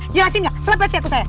jelasin gak selepet sih aku saya